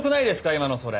今のそれ。